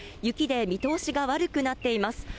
雪で見通しが悪くなっています。